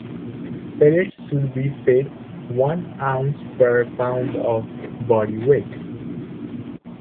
Pellets should be fed one ounce per pound of body weight.